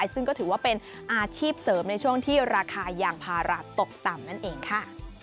ซึ่งก็ถือว่าเป็นอาชีพเสริมในช่วงที่ราคายางพาราตกต่ำนั่นเองค่ะ